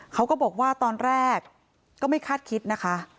เขาก็บอกว่าตอนแรกก็ไม่คาดคิดนะคะ